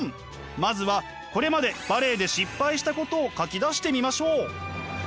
まずはこれまでバレエで失敗したことを書き出してみましょう。